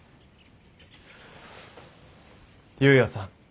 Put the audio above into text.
由也さん